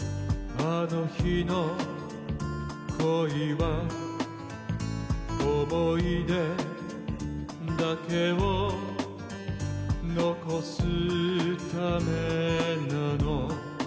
あの日の恋は想い出だけを残すためなの？